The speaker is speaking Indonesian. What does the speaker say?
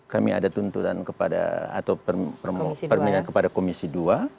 kami ada tuntutan kepada atau permintaan kepada komisi dua